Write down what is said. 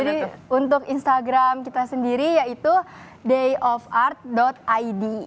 jadi untuk instagram kita sendiri yaitu dayofart id